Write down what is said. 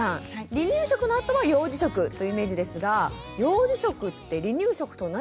離乳食のあとは幼児食というイメージですが幼児食って離乳食と何が違うんですか？